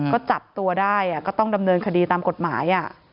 ก็จับตัวได้ก็ต้องดำเนินคดีตามกฎหมาย